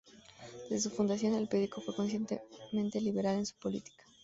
Desde su fundación, el periódico fue conscientemente liberal en su política.